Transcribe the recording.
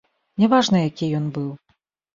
Не важна, які ён быў.